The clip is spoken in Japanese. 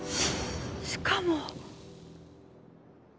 しかも。